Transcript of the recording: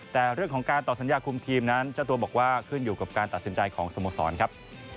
แต่เรื่องของการต่อสัญญาคุมทีมนั้นเจ้าตัวบอกว่าขึ้นอยู่กับการตัดสินใจของสโมสรครับ